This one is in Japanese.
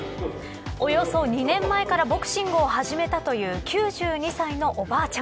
およそ２年前からボクシングを始めたという９２歳のおばあちゃん。